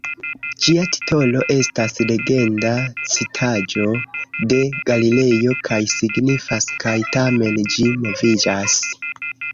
Ĝia titolo estas legenda citaĵo de Galilejo kaj signifas "kaj tamen ĝi moviĝas".